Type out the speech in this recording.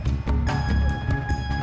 gak usah banyak ngomong